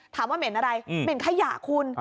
ถามว่าเม้นอะไรเม้นขยะคุณ